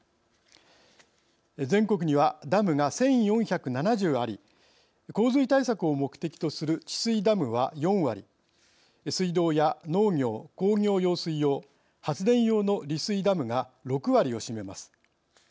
全国にはダムが１４７０あり洪水対策を目的とする治水ダムは４割水道や農業・工業用水用発電用の利水ダムが６割を占めます。